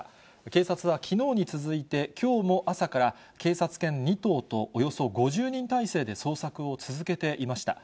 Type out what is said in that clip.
警察はきのうに続いて、きょうも朝から、警察犬２頭とおよそ５０人態勢で捜索を続けていました。